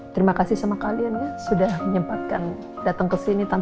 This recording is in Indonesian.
terima kasih sama kalian ya sudah menyempatkan datang ke sini